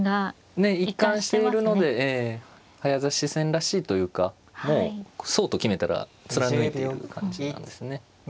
ねえ一貫しているので早指し戦らしいというかもうそうと決めたら貫いている感じなんですね。